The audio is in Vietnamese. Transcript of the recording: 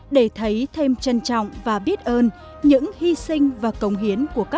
để thấy thêm trân trọng và biết ơn những hy sinh và cố gắng của người dân